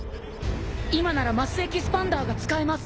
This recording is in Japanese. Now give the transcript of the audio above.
覆マス・エキスパンダーが使えます。